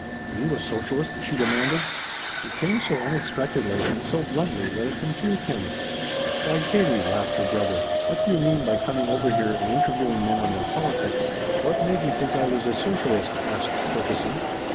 "Are you a socialist?" she demanded. It came so unexpectedly and so bluntly that it confused him. "Why, Katie," laughed her brother, "what do you mean by coming over here and interviewing men on their politics?" "What made you think I was a socialist?" asked Ferguson.